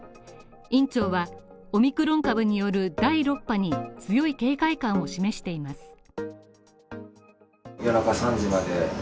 院長はオミクロン株による第６波に強い警戒感を示しています